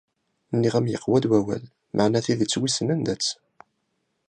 Nniɣ-am yeqwa-d wawal, maɛna tidet wissen anda-tt ?